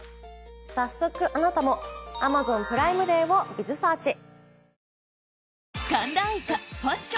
早速あなたも「Ａｍａｚｏｎプライムデー」をｂｉｚｓｅａｒｃｈ。